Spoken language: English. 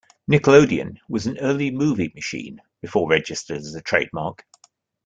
"Nickelodeon" was an early movie machine before registered as a trademark.